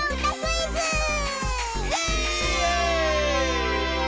イエーイ！